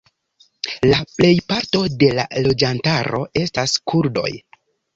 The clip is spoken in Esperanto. La plejparto de la loĝantaro estas kurdoj.